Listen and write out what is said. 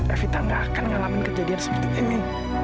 evita gak akan ngalamin kejadian seperti ini